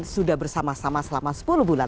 sudah bersama sama selama sepuluh bulan